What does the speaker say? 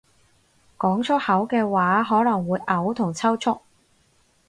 講出口嘅話可能會嘔同抽搐